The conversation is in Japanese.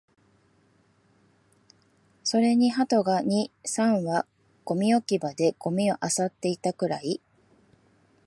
それに鳩が二、三羽、ゴミ置き場でゴミを漁っていたくらい